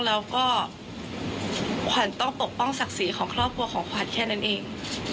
แล้วก็ขวัญต้องปกป้องศักดิ์ศรีของครอบครัวของขวัญแค่นั้นเอง